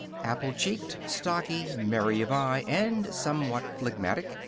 Apple cheeked, stocky, merry of eye, and somewhat phlegmatic.